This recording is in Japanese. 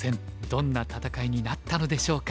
どんな戦いになったのでしょうか。